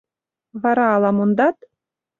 — Вара ала мондат?